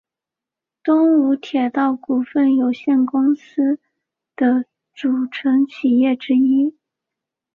东武铁道股份有限公司的组成企业之一。